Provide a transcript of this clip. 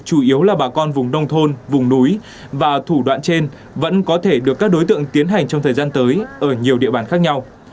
chủ yếu là bà con vùng nông thôn vùng núi và thủ đoạn trên vẫn có thể được các đối tượng tiến hành trong thời gian tới ở nhiều địa bàn khác nhau